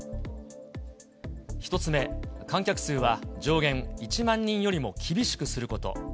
１つ目、観客数は上限１万人よりも厳しくすること。